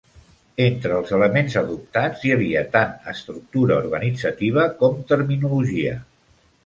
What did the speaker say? Entre els elements adoptats hi havia tant estructura organitzativa com terminologia.